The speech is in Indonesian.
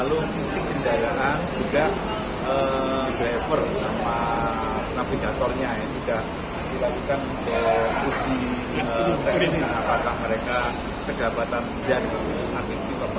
lalu fisik kendaraan juga driver sama navigatornya yang juga dilakukan uji teknis apakah mereka kedapatan sejarah diperlukan